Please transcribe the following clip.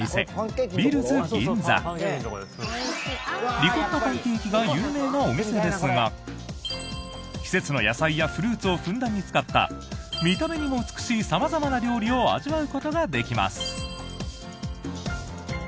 リコッタパンケーキが有名なお店ですが季節の野菜やフルーツをふんだんに使った見た目にも美しい様々な料理を味わうことができます。